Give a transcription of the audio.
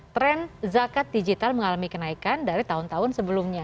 tren zakat digital mengalami kenaikan dari tahun tahun sebelumnya